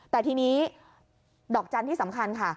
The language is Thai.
แต่ทีนี้ดอกจันทร์ที่สำคัญค่ะ